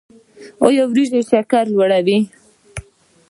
ایا وریجې شکر لوړوي؟